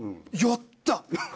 やった！